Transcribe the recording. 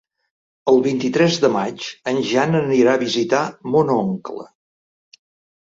El vint-i-tres de maig en Jan anirà a visitar mon oncle.